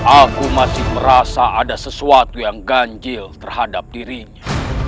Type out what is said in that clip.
aku masih merasa ada sesuatu yang ganjil terhadap dirinya